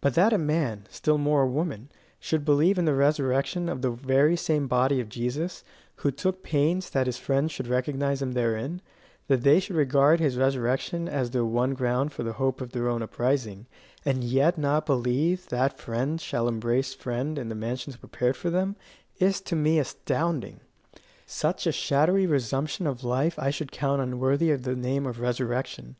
But that a man, still more a woman, should believe in the resurrection of the very same body of Jesus, who took pains that his friends should recognize him therein; that they should regard his resurrection as their one ground for the hope of their own uprising, and yet not believe that friend shall embrace friend in the mansions prepared for them, is to me astounding. Such a shadowy resumption of life I should count unworthy of the name of resurrection.